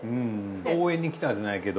応援に来たじゃないけど。